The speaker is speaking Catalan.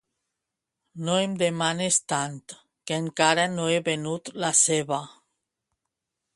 No em demanes tant que encara no he venut la ceba.